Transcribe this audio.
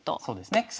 そうですね。